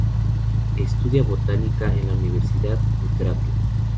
Estudia botánica en la Universidad de Tartu.